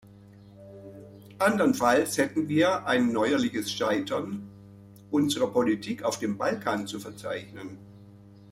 Anderenfalls hätten wir ein neuerliches Scheitern unserer Politik auf dem Balkan zu verzeichnen.